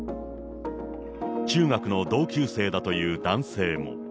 中学の同級生だという男性も。